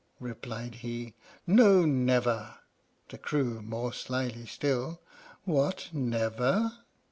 Replied he: No, never! The crew, more slyly still : What, never?